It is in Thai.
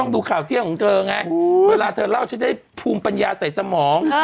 ดูข่าวเที่ยงของเธอไงเวลาเธอเล่าฉันได้ภูมิปัญญาใส่สมอง